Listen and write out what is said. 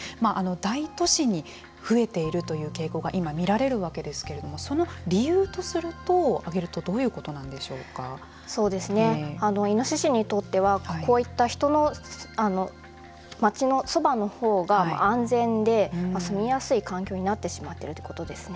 大都市に増えているという傾向が今、見られるわけですけどその理由とすると挙げるとイノシシにとってはこういった街のそばのほうが安全で住みやすい環境になってしまっているということですね。